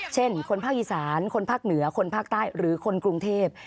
เช่นคนภาคอีสานคนภาคเหนือคนภาคใต้หรือคนกรุงเทพ